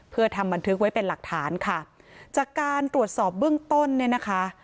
เพื่อทำบันทึกไว้เป็นหลักฐานค่ะจากการตรวจสอบเบื้องต้นเนี่ยนะคะ